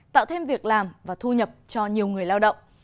tạo thêm việc làm và thu nhập cho nhiều người lao động